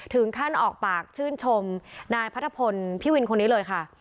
ถึงท่านออกปากชื่นชมนายพระทะพลพี่วินคนนี้เลยค่ะ